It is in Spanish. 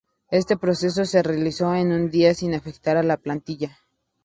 Este proceso se realizó en su día sin afectar a la plantilla